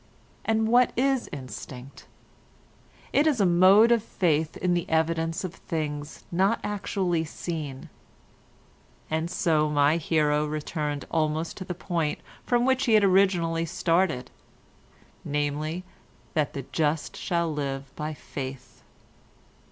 And what is instinct? It is a mode of faith in the evidence of things not actually seen. And so my hero returned almost to the point from which he had started originally, namely that the just shall live by faith.